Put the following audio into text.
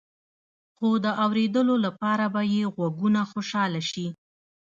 خو د اوریدلو لپاره به يې غوږونه خوشحاله شي.